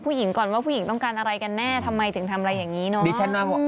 ผู้หญิงก่อนว่าผู้หญิงต้องการอะไรกันแน่ทำไมถึงทำอะไรอย่างนี้เนอะ